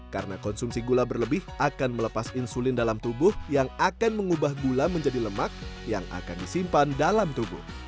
karena konsumsi gula berlebih akan melepas insulin dalam tubuh yang akan mengubah gula menjadi lemak yang akan disimpan dalam tubuh